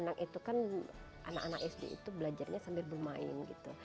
anak itu kan anak anak sd itu belajarnya sambil bermain gitu